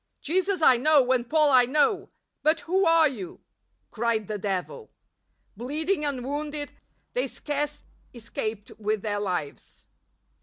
" Jesus I know and Paul I know; but who are you ?" cried the devh. Bleeding and wounded, they scarce escaped with their lives.